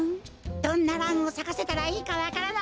どんなランをさかせたらいいかわからない。